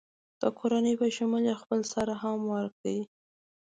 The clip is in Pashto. د کورنۍ په شمول یې خپل سر هم ورکړ.